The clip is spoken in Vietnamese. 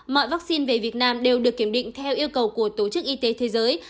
mọi vaccine về việt nam đều được kiểm định theo yêu cầu của tổ chức y tế thế giới